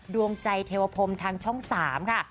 ดวงใจเทวพรมทางช่อง๓ค่ะ